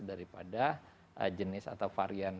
daripada jenis atau varian